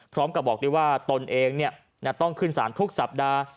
พร้อมกับบอกด้วยว่าตนเองต้องขึ้นสารทุกสัปดาห์